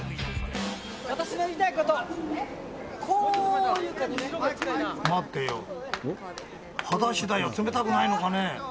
私が言いたいことは、こうい待ってよ、はだしだよ、冷たくないのかね。